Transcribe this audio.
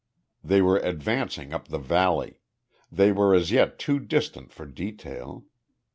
They were advancing up the valley. They were as yet too distant for detail.